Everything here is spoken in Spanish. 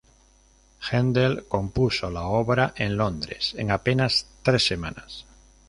Händel compuso la obra en Londres, en apenas tres semanas.